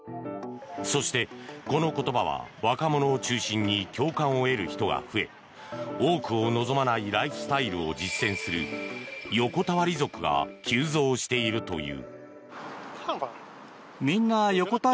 そして、この言葉は若者を中心に共感を得る人が増え多くを望まないライフスタイルを実践する横たわり族が急増しているという。